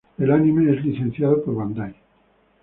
El anime es licenciado por Bandai.